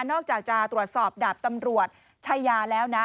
อกจากจะตรวจสอบดาบตำรวจชายาแล้วนะ